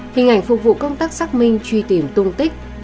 hình ảnh phục vụ công tác xác minh truy tìm tung tích nhân thân